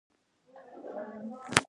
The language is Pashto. د وینې د کمښت لپاره باید څه شی وخورم؟